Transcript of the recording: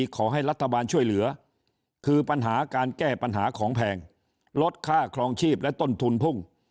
ขอให้รัฐบาลช่วยเหลือคือปัญหาการแก้ปัญหาของแพงลดค่าครองชีพและต้นทุนพุ่ง